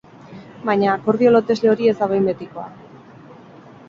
Baina akordio lotesle hori ez da behin betikoa.